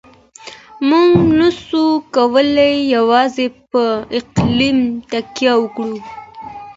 موږ نسو کولای يوازې په اقليم تکيه وکړو.